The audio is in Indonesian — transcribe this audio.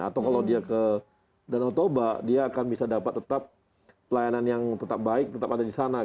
atau kalau dia ke danau toba dia akan bisa dapat tetap pelayanan yang tetap baik tetap ada di sana